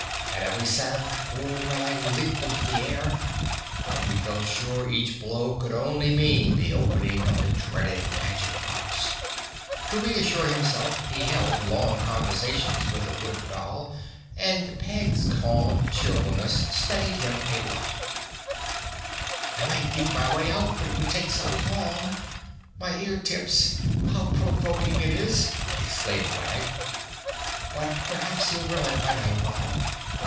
At every sound poor Wag leaped into the air, for he felt sure each blow could only mean the opening of the dreaded magic box. To reassure himself he held long conversations with the wooden doll and Peg's calm cheerfulness steadied him a lot. "I might dig my way out but it would take so long! My ear tips! How provoking it is!" exclaimed Wag. "But perhaps he'll relent by nightfall!"